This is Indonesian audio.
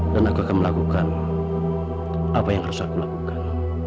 dan aku akan melakukan apa yang harus aku lakukan